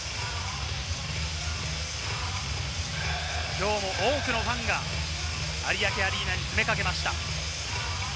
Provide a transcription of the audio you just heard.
きょうも多くのファンが有明アリーナに詰めかけました。